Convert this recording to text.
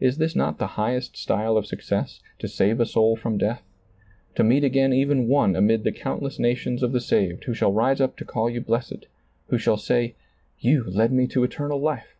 Is this not the highest style of success — to save a soul from death ; to meet ^a!n even one amid the countless nations of the saved, who shall rise up to call you blessed; who shall say, "You led me to eternal life